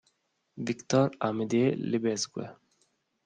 Victor-Amédée Lebesgue